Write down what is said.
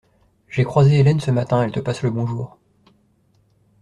J'ai croisé Hélène ce matin, elle te passe le bonjour.